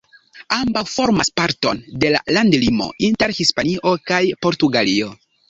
Ambaŭ formas parton de la landlimo inter Hispanio kaj Portugalio.